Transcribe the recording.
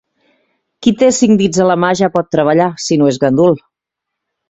Qui té cinc dits a la mà ja pot treballar, si no és gandul.